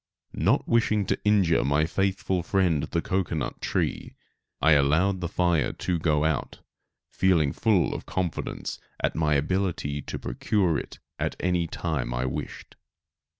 Not wishing to injure my faithful friend the cocoanut tree, I allowed the fire to go out, feeling full confidence in my ability to procure it any time I wished.